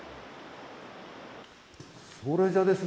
それじゃですね